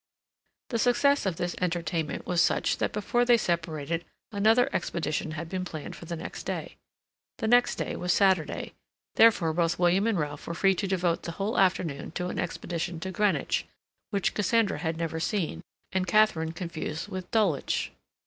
The success of this entertainment was such that before they separated another expedition had been planned for the next day. The next day was Saturday; therefore both William and Ralph were free to devote the whole afternoon to an expedition to Greenwich, which Cassandra had never seen, and Katharine confused with Dulwich.